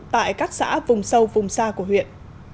tại các xã vùng sâu vùng xa của huyện